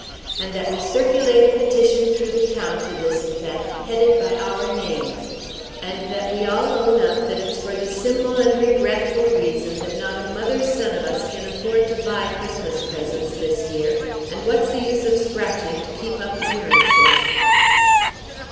And that we circulate a petition through the town to this effect, headed by our names. And that we all own up that it's for the simple and regretful reason that not a mother's son of us can afford to buy Christmas presents this year, and what's the use of scratching to keep up appearances?"